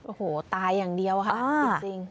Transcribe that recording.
โอ้โหตายอย่างเดียวค่ะจริง